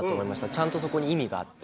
ちゃんとそこに意味があって。